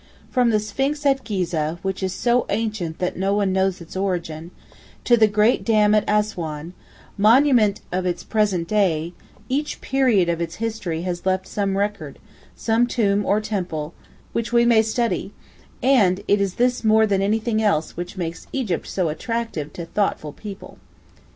From the sphinx at Ghizeh, which is so ancient that no one knows its origin, to the great dam at Assuan, monument of its present day, each period of its history has left some record, some tomb or temple, which we may study, and it is this more than anything else which makes Egypt so attractive to thoughtful people.